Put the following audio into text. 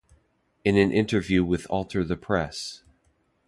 In an interview with Alter The Press!